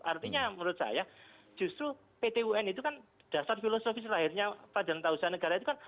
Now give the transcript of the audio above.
artinya menurut saya justru pt un itu kan dasar filosofis lahirnya badan usaha negara itu kan